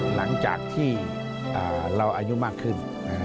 หลังจากที่เราอายุมากขึ้น